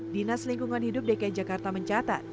dinas lingkungan hidup dki jakarta mencatat